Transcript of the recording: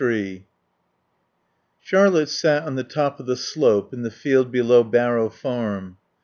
III Charlotte sat on the top of the slope in the field below Barrow Farm.